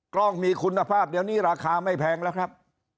กล้องมีคุณภาพเดี๋ยวนี้ราคาไม่แพงแล้วครับ